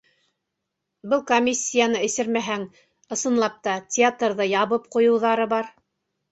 Был комиссияны эсермәһәң, ысынлап та, театрҙы ябып ҡуйыуҙары бар.